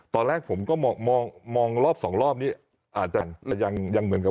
ตอนแรกผมก็มองมองรอบสองรอบนี้อาจจะยังเหมือนกับ